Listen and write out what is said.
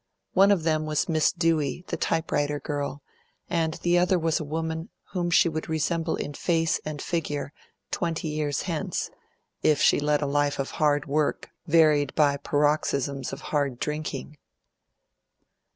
One of them was Miss Dewey, the type writer girl, and the other was a woman whom she would resemble in face and figure twenty years hence, if she led a life of hard work varied by paroxysms of hard drinking.